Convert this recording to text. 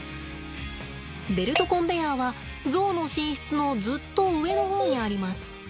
ベルトコンベヤーはゾウの寝室のずっと上の方にあります。